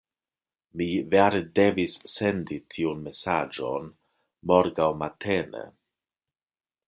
Mi vere devis sendi tiun mesaĝon morgaŭ matene.